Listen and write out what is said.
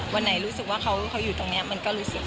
วันไหนรู้สึกว่าเขาอยู่ตรงนี้มันก็รู้สึกว่า